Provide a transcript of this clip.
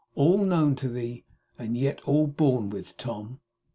All known to thee, and yet all borne with, Tom!